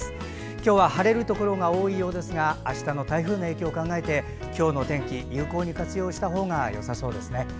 今日は晴れるところが多いようですがあしたの台風の影響を考えて今日の天気有効に活用したほうがよさそうですね。